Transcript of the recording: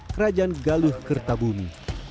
kerajaan galuh kertabunga